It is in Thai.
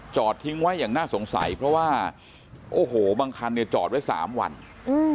ทิ้งไว้อย่างน่าสงสัยเพราะว่าโอ้โหบางคันเนี่ยจอดไว้สามวันอืม